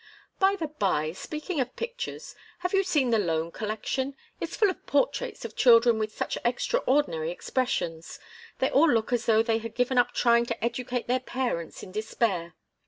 "By the bye, speaking of pictures, have you seen the Loan Collection? It's full of portraits of children with such extraordinary expressions they all look as though they had given up trying to educate their parents in despair.